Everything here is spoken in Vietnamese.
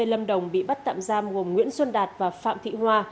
lâm đồng bị bắt tạm giam gồm nguyễn xuân đạt và phạm thị hoa